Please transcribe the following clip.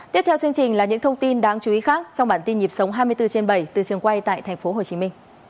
tiếp theo chương trình là những thông tin đáng chú ý khác trong bản tin nhịp sống hai mươi bốn trên bảy từ trường quay tại tp hcm